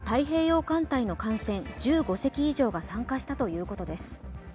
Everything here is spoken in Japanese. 演習には太平洋艦隊の艦船１５隻以上が参加したということです。